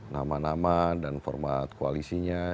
nama nama dan format koalisinya